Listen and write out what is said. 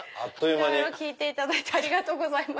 いろいろ聞いていただいてありがとうございます。